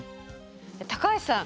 高橋さん